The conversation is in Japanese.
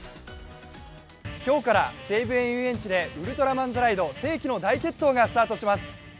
今日から西武園ゆうえんちで「ウルトラマン・ザ・ライド世紀の大決闘」がスタートします。